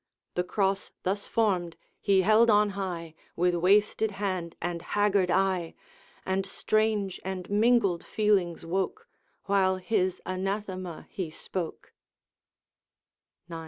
The Cross thus formed he held on high, With wasted hand and haggard eye, And strange and mingled feelings woke, While his anathema he spoke: IX.